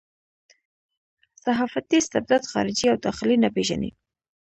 صحافتي استبداد خارجي او داخلي نه پېژني.